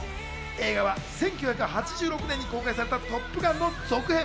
映画は１９８６年に公開された『トップガン』の続編。